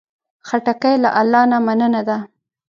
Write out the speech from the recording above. خټکی له الله نه مننه ده.